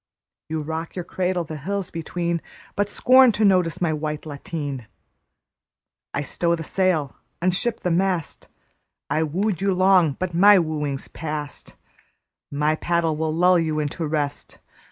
You rock your cradle the hills between, But scorn to notice my white lateen. I stow the sail, unship the mast: I wooed you long but my wooing's past; My paddle will lull you into rest.